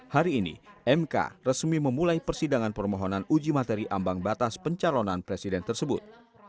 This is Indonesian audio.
hari ini mk resmi memulai persidangan permohonan uji materi ambang batas pencalonan presiden tersebut